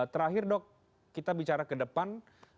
terakhir dok kita bicara ke depan